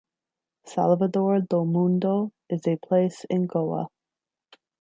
Salvador Do Mundo is a place in Goa.